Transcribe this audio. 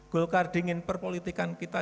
golkar dingin perpolitikan kita